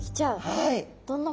はい。